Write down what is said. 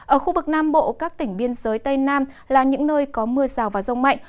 ở khu vực nam bộ các tỉnh biên giới tây nam là những nơi có mưa rào và rông mạnh